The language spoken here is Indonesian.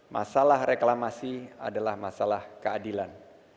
masalah reklamasi adalah masalah keadilan